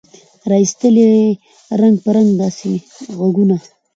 را ایستل یې رنګ په رنګ داسي ږغونه